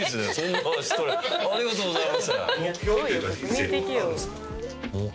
ありがとうございます。